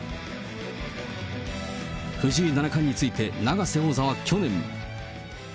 藤井七冠について、永瀬王座は去年。